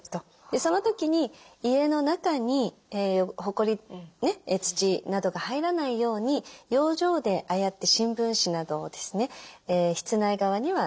その時に家の中にほこり土などが入らないように養生でああやって新聞紙などをですね室内側には養生して頂くと。